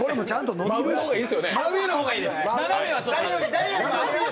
真上の方がいいです。